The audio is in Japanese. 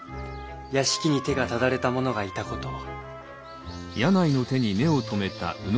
屋敷に手がただれた者がいたことを。